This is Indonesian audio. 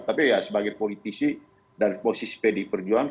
tapi ya sebagai politisi dari posisi pdi perjuangan